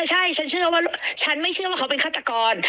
ใช่ฉันไม่เชื่อว่าเค้าเป็นฆาตกร